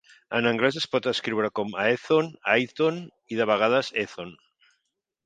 En anglès es pot escriure com "Aethon", "Aithon" i de vegades "Ethon".